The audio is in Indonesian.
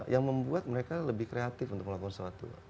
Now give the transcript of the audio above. yang membuat mereka lebih kreatif untuk melakukan sesuatu